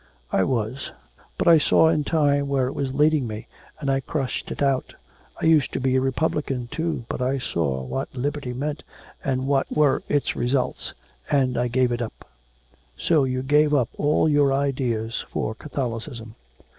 'I was; but I saw in time where it was leading me, and I crushed it out. I used to be a Republican too, but I saw what liberty meant, and what were its results, and I gave it up.' 'So you gave up all your ideas for Catholicism....'